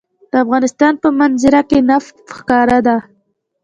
د افغانستان په منظره کې نفت ښکاره ده.